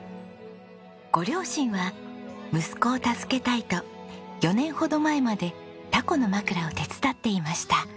ご両親は息子を助けたいと４年ほど前までタコのまくらを手伝っていました。